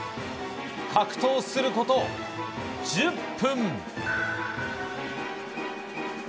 格闘すること１０分。